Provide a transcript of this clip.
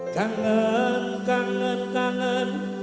kangen kangen kangen